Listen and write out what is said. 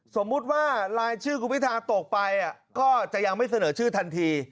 สมมุติว่ารายชื่อคุณพิธาตกไปก็จะยังไม่เสนอชื่อทันที